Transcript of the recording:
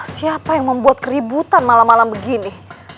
siapa yang membuat keributan malam malam begini